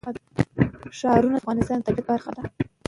ښارونه د افغانستان د طبیعت برخه ده.